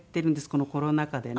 このコロナ禍でね。